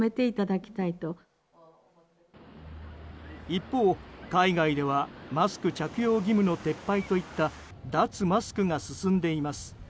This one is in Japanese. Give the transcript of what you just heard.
一方、海外ではマスク着用義務の撤廃といった脱マスクが進んでいます。